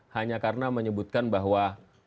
hanya karena menyebutkan bahwa